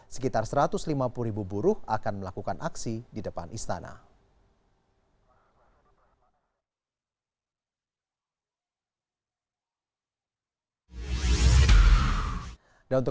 sekitar satu ratus lima puluh ribu buruh akan melakukan aksi di depan istana